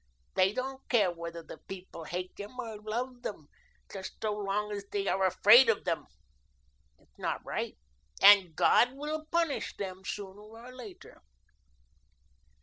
They don't care whether the people hate them or love them, just so long as they are afraid of them. It's not right and God will punish them sooner or later."